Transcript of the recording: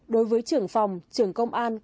đối với trưởng phòng trưởng công an